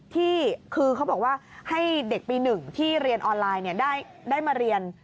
ที่คือเขาบอกว่าให้เด็กปีหนึ่งที่เรียนออนไลน์เนี่ย